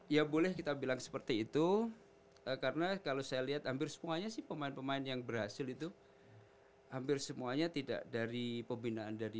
ya boleh kita bilang seperti itu karena kalau saya lihat hampir semuanya sih pemain pemain yang berhasil itu hampir semuanya tidak dari pembinaan dari